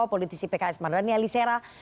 politisi pks madani ali sera